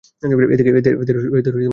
এদের জিহ্বা অনুপস্থিত।